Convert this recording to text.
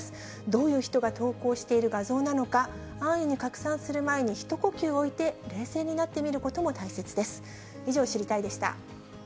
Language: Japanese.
どういう人が投稿している画像なのか、安易に拡散する前に、一呼吸置いて、冷静になってみることも大切です。